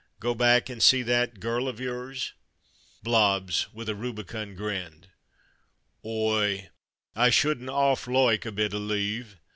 Go back and see that girl of yours ? Blobbs (with a rubicund grin): Oi! I shouldn't 'arf loike a bit o' leave.